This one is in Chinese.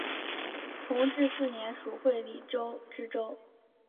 同治四年署会理州知州。